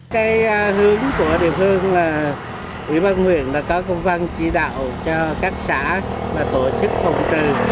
cái hướng của địa phương là ubnd đã có công văn chỉ đạo cho các xã tổ chức phòng trừ